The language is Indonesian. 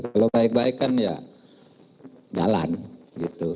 kalau baik baik kan ya jalan gitu